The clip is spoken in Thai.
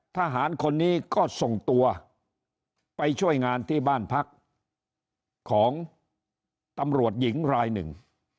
ทหารคนนี้ก็ส่งตัวไปช่วยงานที่บ้านพักของตำรวจหญิงรายหนึ่ง